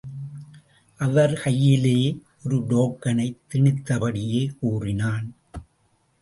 அவர் கையிலேயே ஒரு டோக்கனைத் திணித்தபடியே கூறினான்.